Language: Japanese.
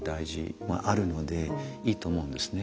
まああるのでいいと思うんですね。